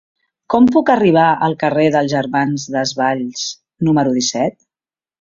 Com puc arribar al carrer dels Germans Desvalls número disset?